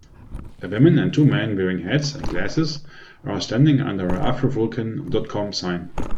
A woman and two men wearing hats and glassess are standing under a avrovulcan.com sign.